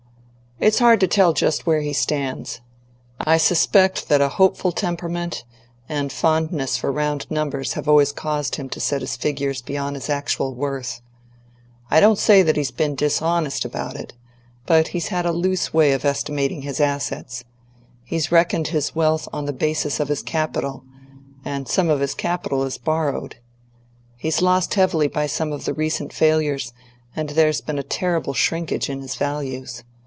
"It's hard to tell just where he stands. I suspect that a hopeful temperament and fondness for round numbers have always caused him to set his figures beyond his actual worth. I don't say that he's been dishonest about it, but he's had a loose way of estimating his assets; he's reckoned his wealth on the basis of his capital, and some of his capital is borrowed. He's lost heavily by some of the recent failures, and there's been a terrible shrinkage in his values.